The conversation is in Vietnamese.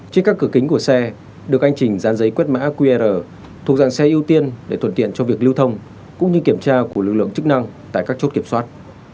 trên các cửa kính của xe được anh chỉnh dán giấy quét mã qr thuộc dàn xe ưu tiên để thuận tiện cho việc lưu thông cũng như kiểm tra của lực lượng chức năng tại các chốt kiểm soát